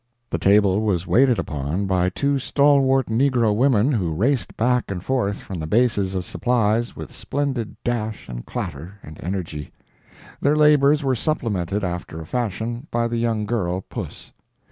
The table was waited upon by two stalwart negro women who raced back and forth from the bases of supplies with splendid dash and clatter and energy. Their labors were supplemented after a fashion by the young girl Puss.